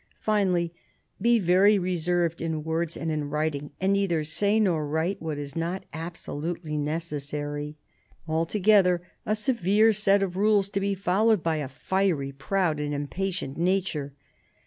Finally, " Be very reserved in words and in writing, and neither say nor write what is not absolutely necessary." Altogether a severe set of rules to be followed by a fiery, proud and impatient nature.